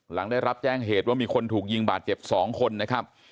หลังได้รับแจ้งเหตุว่ามีคนถูกยิงบาดเจ็บ๒คนนะครับ